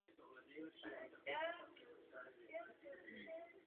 Jeho pontifikát tak trval téměř dvacet let.